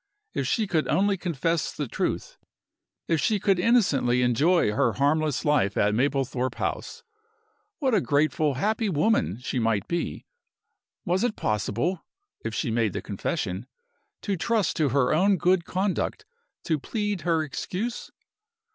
If she could only confess the truth if she could innocently enjoy her harmless life at Mablethorpe House what a grateful, happy woman she might be! Was it possible (if she made the confession) to trust to her own good conduct to plead her excuse?